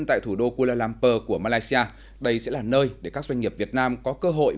tại thủ đô kuala lumpur của malaysia đây sẽ là nơi để các doanh nghiệp việt nam có cơ hội